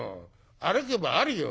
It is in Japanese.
歩けばあるよ。